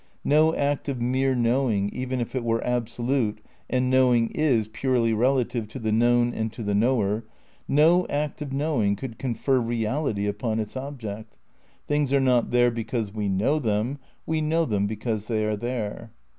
No act of mere knowing, even if it were absolute — and knowing is purely relative to the known and to the knower — no act of knowing could confer reality upon its object. Things are not there because we knowThem ; we know them because they are there.